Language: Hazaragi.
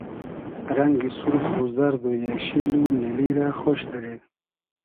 رئنگی سورخ و زئرد و اېشیل و نیلی رۂ خۉش دیرې